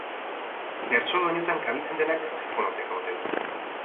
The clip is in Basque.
Bertso doinutan kabitzen denak zer fonoteka ote du?